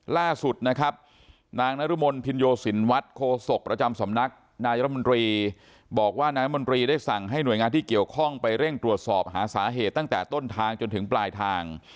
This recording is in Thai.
ล่าสุดนะครับนางนรมนภินโยสินวัฒน์โคศกประจำสำนักนายรัฐมนตรีบอกว่านายมนตรีได้สั่งให้หน่วยงานที่เกี่ยวข้องไปเร่งตรวจสอบหาสาเหตุตั้งแต่ต้นทางจนถึงปลายทาง